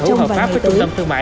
trong vài ngày tới